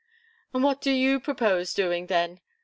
"What do you propose doing, then?"